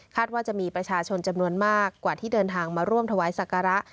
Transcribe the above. ว่าจะมีประชาชนจำนวนมากกว่าที่เดินทางมาร่วมถวายศักระ